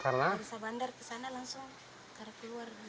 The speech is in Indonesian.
karena syah bandar ke sana langsung tarik keluar